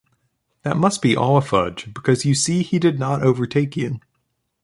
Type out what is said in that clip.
That must be all a fudge, because you see he did not overtake you.